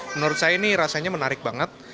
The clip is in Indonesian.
menurut saya ini rasanya menarik banget